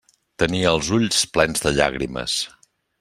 Tenia els ulls plens de llàgrimes.